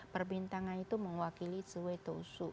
perbintangan itu mengwakili cewetosu